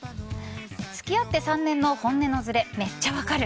「付き合って３年」の本音のずれめっちゃ分かる。